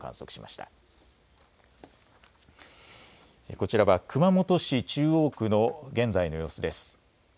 こちらは熊本市中央区の現在の様子です。